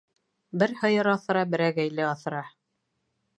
Бер һыйыр аҫра, берәгәйле аҫра.